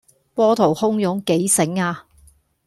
波濤洶湧幾醒呀